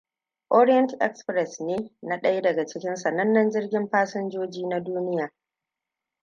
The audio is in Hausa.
Orient-Express ne na daya daga cikin sanannen jirgin fasinjoji na duniya.